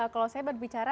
kalau saya berbicara